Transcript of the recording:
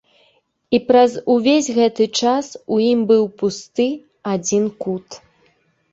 І праз увесь гэты час у ім быў пусты адзін кут.